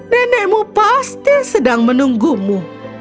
nenekmu pasti sedang menunggumu